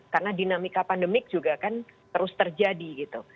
karena dinamika pandemik juga kan terus terjadi gitu